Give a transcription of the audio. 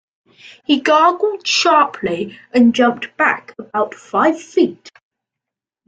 He gargled sharply, and jumped back about five feet.